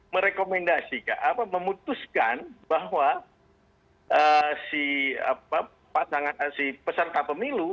merekomendasikan memutuskan bahwa si peserta pemilu